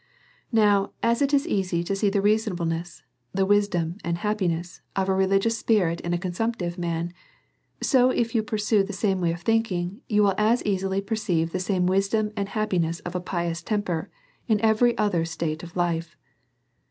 Now, as it is easy to see the reasonableness, the wisdom, and happiness of a rehgious spirit in a con sumptive man ; so, if you pursue the same way of thinking, you will as easily perceive the same wisdom and happiness of a pious temper in every other state of life.